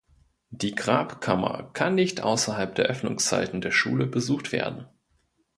Die Grabkammer kann nicht außerhalb der Öffnungszeiten der Schule besucht werden.